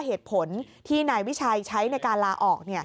เหตุผลที่นายวิชัยใช้ในการลาออก